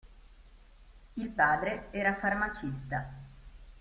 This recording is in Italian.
Il padre era farmacista.